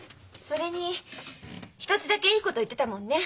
それに一つだけいいこと言ってたもんね。